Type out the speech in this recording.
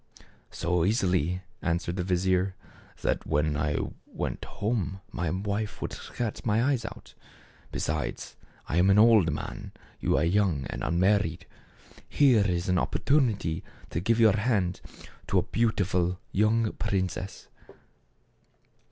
" So easily," answered the vizier, " that when I went home, my wife would scratch my eyes out. Besides, I am an old man. You are young and unmarried. Here is an opportunity to give your hand to a beautiful young princess."